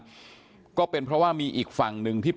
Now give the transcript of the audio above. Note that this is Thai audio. โคศกรรชาวันนี้ได้นำคลิปบอกว่าเป็นคลิปที่ทางตำรวจเอามาแถลงวันนี้นะครับ